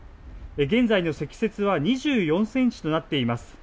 現在の積雪は２４センチとなっています。